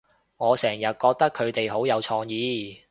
我成日覺得佢哋好有創意